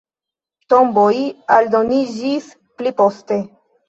Tomboj aldoniĝis pli poste.